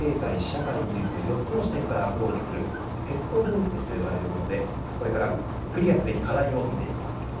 政治、経済、社会、技術４つの視点からアプローチするテスト分析と呼ばれるものでこれからクリアすべき課題を見ていきます。